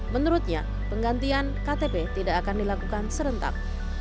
menurutnya penggantian ktp tidak akan dilakukan serentak